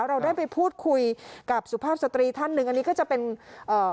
เราได้ไปพูดคุยกับสุภาพสตรีท่านหนึ่งอันนี้ก็จะเป็นเอ่อ